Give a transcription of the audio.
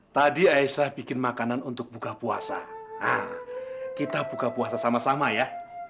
tadi aisyah bikin makanan untuk buka puasa kita buka puasa sama sama ya